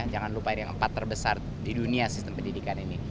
jangan lupa yang empat terbesar di dunia sistem pendidikan ini